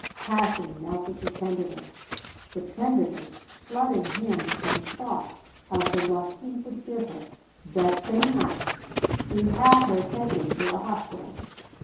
Passion melted to tenderness; the tenderness flooding him in thought of the love he would give her. That same night he had her taken to a hospital.